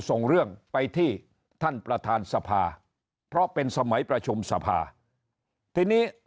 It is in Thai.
ส่งเรื่องไปที่ท่านประธานสภาเพราะเป็นสมัยประชุมสภาทีนี้